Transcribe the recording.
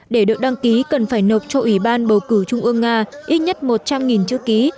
để được đăng ký cần phải nộp cho ủy ban bầu cử trung ương nga ít nhất một trăm linh chữ ký